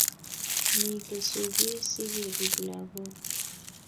Ni kesubi sikerib lagokcho